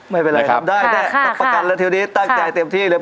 ไม่เป็นไรครับได้แค่ทักประกันและทีวดีตั้งใจเตรียมที่เลย